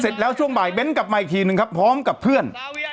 แล้วช่วงบ่ายเบ้นกลับมาอีกทีนึงครับพร้อมกับเพื่อน